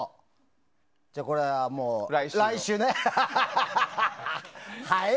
じゃあ、これは来週ね！